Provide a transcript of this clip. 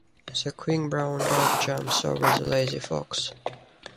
The quick brown dog jumps over the lazy fox.